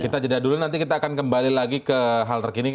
kita jeda dulu nanti kita akan kembali lagi ke hal terkini